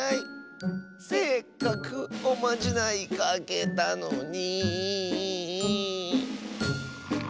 せっかくおまじないかけたのに。